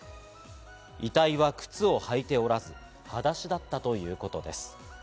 遺体は靴を履いておらず、はだしだったということです。